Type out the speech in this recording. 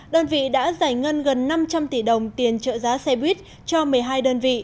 đơn vị đã giải ngân gần năm trăm linh tỷ đồng tiền trợ giá xe buýt cho một mươi hai đơn vị